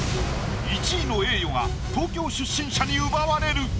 １位の栄誉が東京出身者に奪われる。